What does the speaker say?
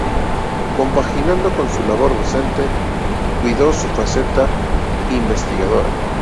Compaginando con su labor docente, cuidó su faceta investigadora.